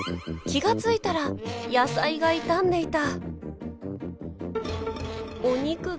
気が付いたら野菜が傷んでいた。